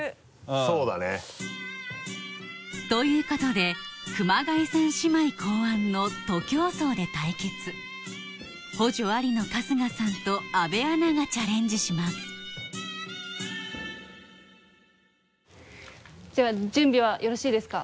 そうだね。ということで熊谷さん姉妹考案の徒競走で対決補助ありの春日さんと阿部アナがチャレンジしますでは準備はよろしいですか？